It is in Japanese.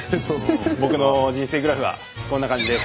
僕の人生グラフはこんな感じです！